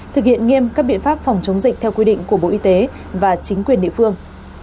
thực hiện nghiêm các biện pháp phòng chống dịch theo quy định của bộ y tế và chính quyền địa phương